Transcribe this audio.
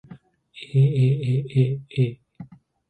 aaaa